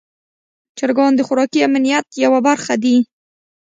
چرګان د خوراکي امنیت یوه برخه دي.